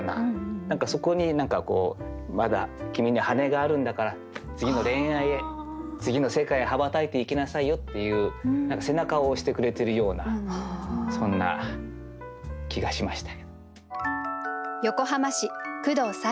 何かそこに「まだきみに羽根があるんだから次の恋愛へ次の世界へ羽ばたいていきなさいよ」っていう何か背中を押してくれてるようなそんな気がしました。